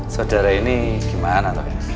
saudara ini gimana toh